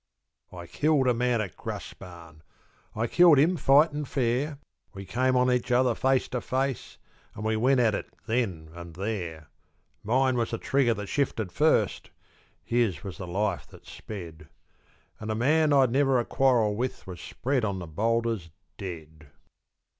I killed a man at Graspan, I killed him fightin' fair; We came on each other face to face, An' we went at it then and there. Mine was the trigger that shifted first, His was the life that sped. An' a man I'd never a quarrel with Was spread on the boulders dead.